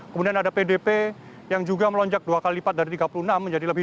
kemudian ada pdp yang juga melonjak dua kali lipat dari tiga puluh enam menjadi lebih